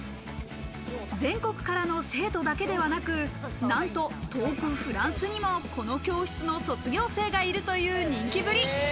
全国からの生徒だけではなく、なんと遠くフランスにもこの教室の卒業生がいるという人気ぶり。